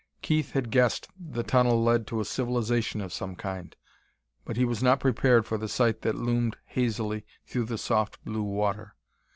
Keith had guessed the tunnel led to a civilization of some kind, but he was not prepared for the sight that loomed hazily through the soft blue water.